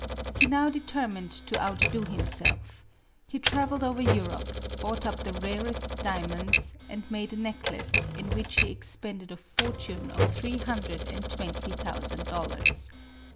He now determined to outdo himself; he travelled over Europe, bought up the rarest diamonds, and made a necklace in which he expended a fortune of three hun dred and twenty thousand dollars.